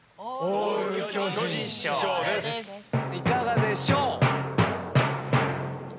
いかがでしょう？